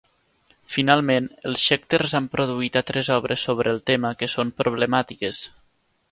Finalment, els Schecters han produït altres obres sobre el tema que són problemàtiques.